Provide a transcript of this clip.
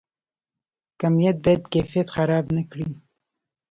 کمیت باید کیفیت خراب نکړي